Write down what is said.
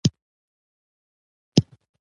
ځه په مخه دي ښه !